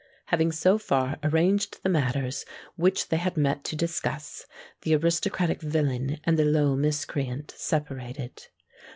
Having so far arranged the matters which they had met to discuss, the aristocratic villain and the low miscreant separated.